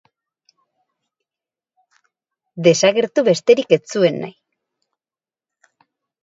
Desagertu besterik ez zuen nahi.